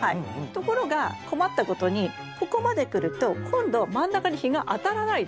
ところが困ったことにここまでくると今度真ん中に日が当たらないですよね。